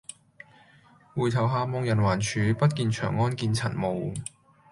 回頭下望人寰處，不見長安見塵霧。